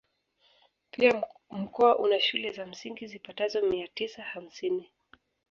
Pia mkoa una shule za msingi zipatazo mia tisa hamsini